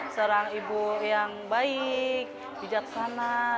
seorang ibu yang baik bijaksana